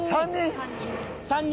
３人？